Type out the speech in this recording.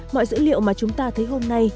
mọi dữ liệu mà chúng ta thấy hôm nay